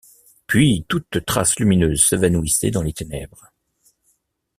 Puis, toute trace lumineuse s’évanouissait dans les ténèbres.